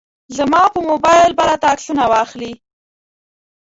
زما په موبایل به راته عکسونه واخلي.